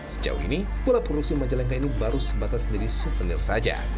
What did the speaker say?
sejauh ini bola produksi majalengka ini baru sebatas milih suvenir saja